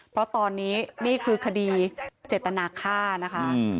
เพราะตอนนี้นี่คือคดีเจตนาฆ่านะคะ